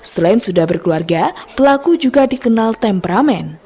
selain sudah berkeluarga pelaku juga dikenal temperamen